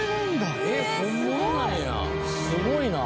すごいな。